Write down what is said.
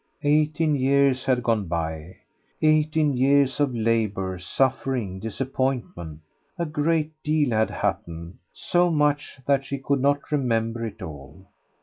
Eighteen years had gone by, eighteen years of labour, suffering, disappointment. A great deal had happened, so much that she could not remember it all.